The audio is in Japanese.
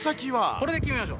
これで決めましょう。